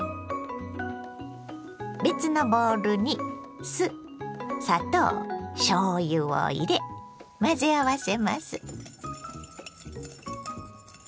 別のボウルに酢砂糖しょうゆを入れ混ぜ合わせます。